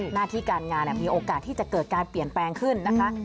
หน้าที่การงานมีโอกาสที่จะเกิดการเปลี่ยนแปลงขึ้นนะคะ